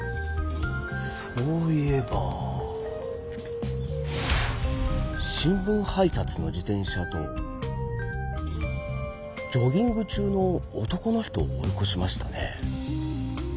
そういえば新聞配達の自転車とジョギング中の男の人を追いこしましたね。